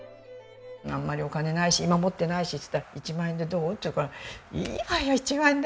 「あんまりお金ないし今持ってないし」っつったら「１万円でどう？」って言うから「いいわよ１万円で。